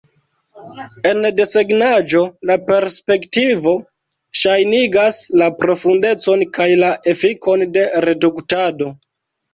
En desegnaĵo, la perspektivo ŝajnigas la profundecon kaj la efikon de reduktado.